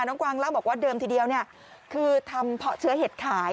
กวางเล่าบอกว่าเดิมทีเดียวเนี่ยคือทำเพาะเชื้อเห็ดขาย